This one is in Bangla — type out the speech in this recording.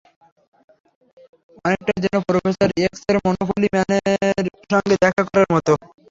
অনেকটা যেন প্রফেসর এক্স-এর মনোপলি ম্যানের সঙ্গে দেখা করার মত।